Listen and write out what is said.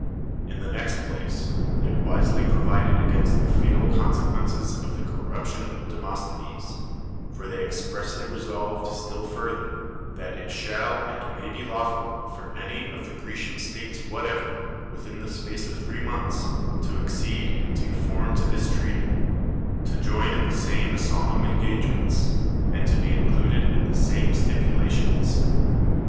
In the next place, they wisely provided against the fatal consequences of the corruption of Demosthenes ; for they expressly resolved still further, that "it shall and may be lawful for 204 ^SCHINES any of the Grecian states whatever, within the spaee of three montlis, to accede in due fonn to this treaty, to join in the same solenni en gagements, and to be included in the sain(^ stipu lations."